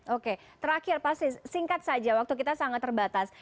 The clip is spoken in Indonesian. oke terakhir pasti singkat saja waktu kita sangat terbatas